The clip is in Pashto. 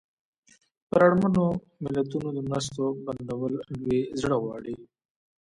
پر اړمنو ملتونو د مرستو بندول لوی زړه غواړي.